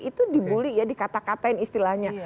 itu di bully ya di kata katain istilahnya